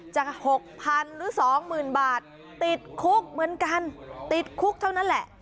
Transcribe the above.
จะ๖๐๐๐หรือ๒๐๐๐บาทติดคุกเหมือนกันติดคุกเท่านั้นแหละ